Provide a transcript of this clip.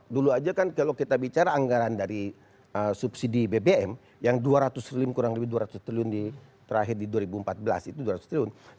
dulu aja kan kalau kita bicara anggaran dari subsidi bbm yang dua ratus triliun kurang lebih dua ratus triliun terakhir di dua ribu empat belas itu dua ratus triliun